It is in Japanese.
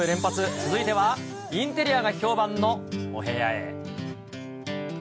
続いては、インテリアが評判のお部屋へ。